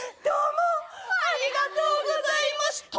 どうもありがとうございまし